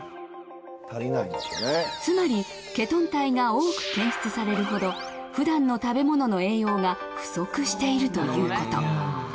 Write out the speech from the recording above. つまりケトン体が多く検出されるほどふだんの食べ物の栄養が不足しているということ